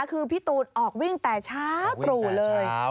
วิ่งแต่ช้ากรูเลยนะครับวิ่งแต่เช้า